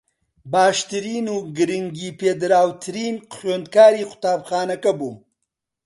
باشترین و گرنگی پێدراوترین خوێندکاری قوتابخانەکە بووم